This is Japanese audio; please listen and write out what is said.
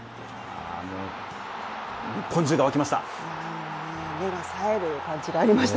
日本中が沸きました。